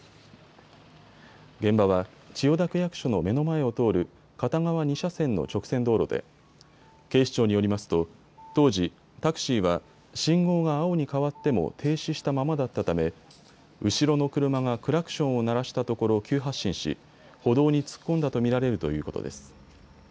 現場は千代田区役所の目の前を通る片側２車線の直線道路で警視庁によりますと当時、タクシーは信号が青に変わっても停止したままだったため後ろの車がクラクションを鳴らしたところ急発進し、歩道に突っ込んだと見られるということです。